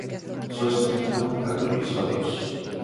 Só se realizaron catro episodios.